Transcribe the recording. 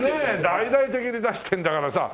大々的に出してるんだからさ。